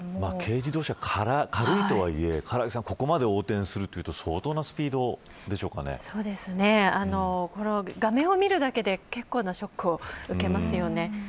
軽自動車は軽いとはいえここまで横転するというとそうですね、画面を見るだけで結構なショックを受けますよね。